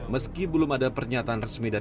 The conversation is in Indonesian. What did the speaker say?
meski belum ada pernyataan resmi dari mabes polri